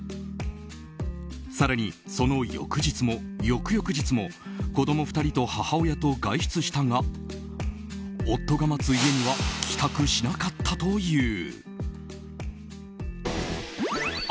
更に、その翌日も翌々日も子供２人と母親と外出したが夫が待つ家には帰宅しなかったという。